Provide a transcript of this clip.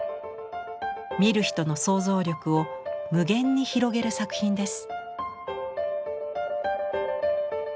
見る人の想像力を無限に広げる作品です。